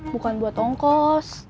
bukan buat ongkos